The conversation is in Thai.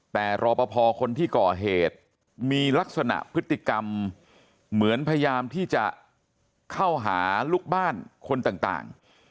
แต่รอปภคนที่ก่อเหตุมีลักษณะพฤติกรรมเหมือนพยายามที่จะเข้าหาลูกบ้านคนต่าง